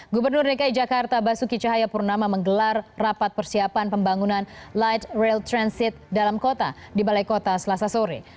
gubernur dki jakarta basuki cahayapurnama menggelar rapat persiapan pembangunan light rail transit dalam kota di balai kota selasa sore